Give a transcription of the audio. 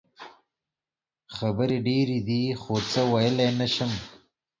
خبرې ډېرې دي خو څه ویلې نه شم.